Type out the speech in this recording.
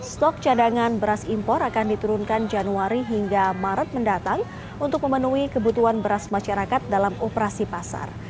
stok cadangan beras impor akan diturunkan januari hingga maret mendatang untuk memenuhi kebutuhan beras masyarakat dalam operasi pasar